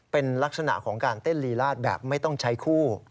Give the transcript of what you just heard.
เป็นลักษณะของการเต้นลีลาดแบบไม่ต้องใช้คู่